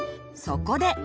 そこで！